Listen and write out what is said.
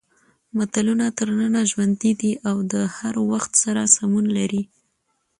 متلونه تر ننه ژوندي دي او د هر وخت سره سمون لري